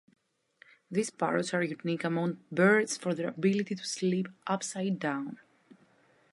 These parrots are unique among birds for their ability to sleep upside down.